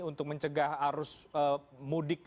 untuk mencegah arus mudik